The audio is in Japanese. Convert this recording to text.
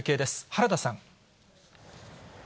原田さん。